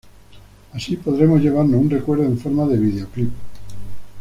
Así podremos llevarnos un recuerdo en forma de videoclip".